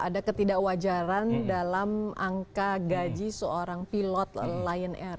ada ketidakwajaran dalam angka gaji seorang pilot lion air